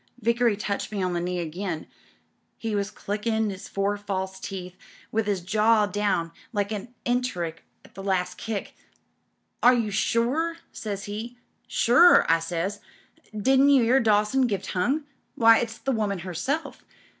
"Vickery touched me on the knee again. He was clickin' his four false teeth with his jaw down like an enteric at the last kick. 'Are you sure?' says he. 'Sure/ I says, 'didn't you 'ear Dawson give tongue? Why, it's the woman herself.'